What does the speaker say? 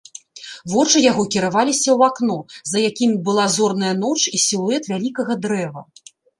Вочы яго кіраваліся ў акно, за якім была зорная ноч і сілуэт вялікага дрэва.